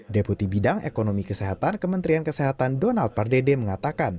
deputi bidang ekonomi kesehatan kementerian kesehatan donald pardede mengatakan